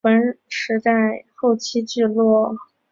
古坟时代虽有后期聚落。